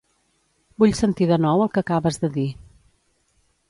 Vull sentir de nou el que acabes de dir.